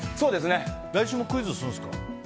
来週もクイズするんですか？